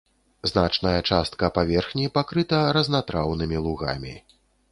Значная частка паверхні пакрыта разнатраўнымі лугамі.